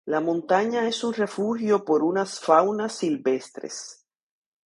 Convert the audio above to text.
La montaña es un refugio por unas faunas silvestres.